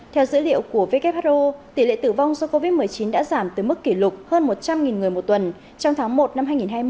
theo dữ liệu của who tỷ lệ tử vong do covid một mươi chín đã giảm tới mức kỷ lục hơn một trăm linh người một tuần trong tháng một năm hai nghìn hai mươi